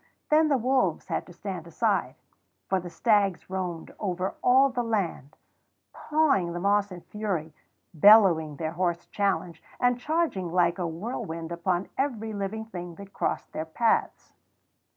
Then the wolves had to stand aside; for the stags roamed over all the land, pawing the moss in fury, bellowing their hoarse challenge, and charging like a whirlwind upon every living thing that crossed their paths.